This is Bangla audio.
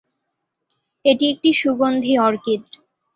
এটি একটি সুগন্ধি অর্কিড।